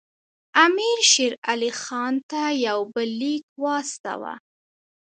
امیر شېر علي خان ته یو بل لیک واستاوه.